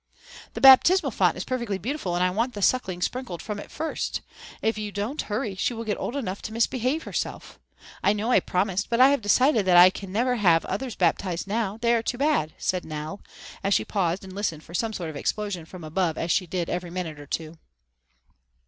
"The baptismal font is perfectly beautiful and I want the Suckling sprinkled from it first. If you don't hurry she will get old enough to misbehave herself. I know I promised, but I have decided that I can never have the others baptized now, they are too bad," said Nell, as she paused and listened for some sort of explosion from above as she did every minute or two.